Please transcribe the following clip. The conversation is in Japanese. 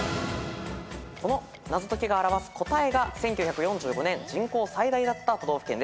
この謎解きが表す答えが１９４５年人口最大だった都道府県です。